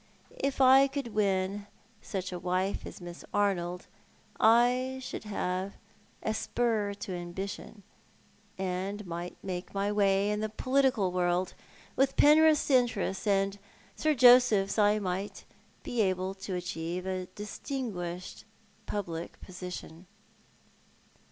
If I could win such a wife as Miss Arnold I should have a spur to ambi tion, and might make my way in the political world. With Penrith's interest and Sir Joseph's I might be able to achieve a distinguished public position."